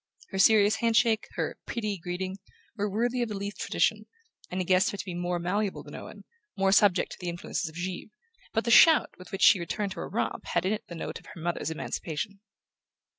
Her serious handshake, her "pretty" greeting, were worthy of the Leath tradition, and he guessed her to be more malleable than Owen, more subject to the influences of Givre; but the shout with which she returned to her romp had in it the note of her mother's emancipation.